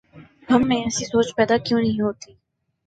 ہم میں ایسی سوچ پیدا کیوں نہیں ہوتی؟